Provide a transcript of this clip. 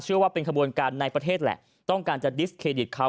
ว่าเป็นขบวนการในประเทศแหละต้องการจะดิสเครดิตเขา